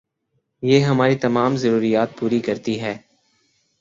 یہ ہماری تمام ضروریات پوری کرتی ہے